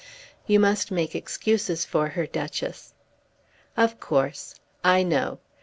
"You must make excuses for her, Duchess." "Of course. I know.